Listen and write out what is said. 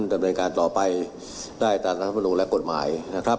ดำเนินการต่อไปได้ตามรัฐธรรมนูลและกฎหมาย